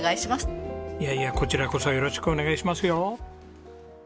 いやいやこちらこそよろしくお願いしますよ！